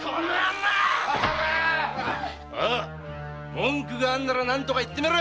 文句があるなら言ってみろ！